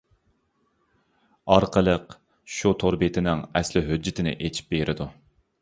ئارقىلىق، شۇ تور بېتىنىڭ ئەسلى ھۆججىتىنى ئېچىپ بېرىدۇ.